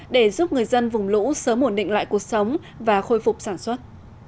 để giúp người dân vùng lũ sớm ổn định lại cuộc sống và khôi phục sản xuất